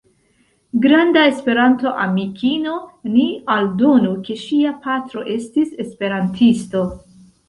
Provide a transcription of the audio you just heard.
Granda Esperanto-amikino, ni aldonu ke ŝia patro estis esperantisto.